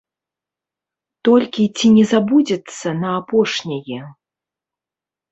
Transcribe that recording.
Толькі ці не забудзецца на апошняе?